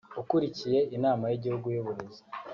ukuriye inama y’igihugu y’uburezi